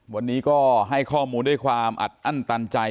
วันนี้ก็ให้ข้อมูลด้วยความอัดอั้นตันใจ